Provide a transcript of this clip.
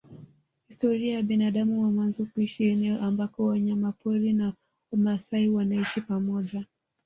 Historia ya binadamu wa mwanzo kuishi eneo ambako wanyamapori na wamaasai wanaishi pamoja